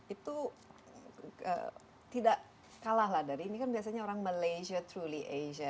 itu tidak kalah lah dari ini kan biasanya orang malaysia truly asia